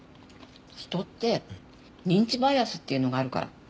人って認知バイアスっていうのがあるから。